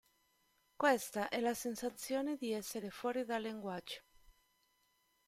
Questa è la sensazione di essere fuori dal linguaggio.